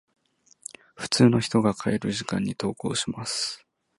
普通の人が帰る時間に登校します。